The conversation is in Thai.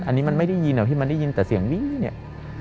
อันนี้มันไม่ได้ยินนะที่มันได้ยินแต่เสียงวิ่งเนี่ย